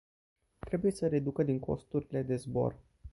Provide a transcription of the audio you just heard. Trebuie să reducă din costurile de zbor.